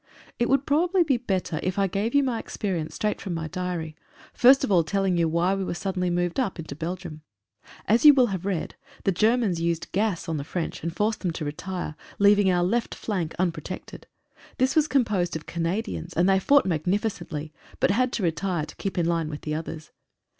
It would probably be better if I gave you my experience straight from my diary, first of all telling you why we were suddenly moved up into Belgium. As you will have read, the Germans used gas on the French, and forced them to retire, leaving our left flank unpro tected. This was composed of Canadians, and they fought magnificently, but had to retire to keep in line with the others.